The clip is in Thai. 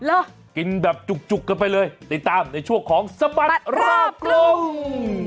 กินแบบจุกกันไปเลยติดตามในช่วงของสบัดรอบกรุง